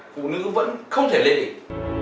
phụ nữ vẫn không thể lên đỉnh